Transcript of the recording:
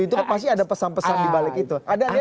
itu kan pasti ada pesan pesan dibalik itu